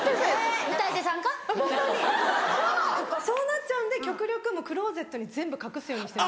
そうなっちゃうんで極力クローゼットに全部隠すように。